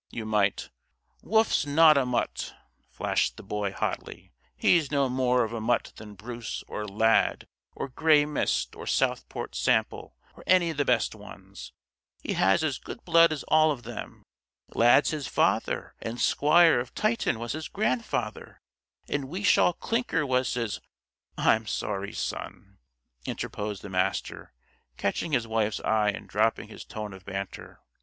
"You might " "Wolf's not a mutt!" flashed the Boy, hotly. "He's no more of a mutt than Bruce or Lad, or Grey Mist, or Southport Sample, or any of the best ones. He has as good blood as all of them. Lad's his father, and Squire of Tytton was his grandfather, and Wishaw Clinker was his " "I'm sorry, son," interposed the Master, catching his wife's eye and dropping his tone of banter.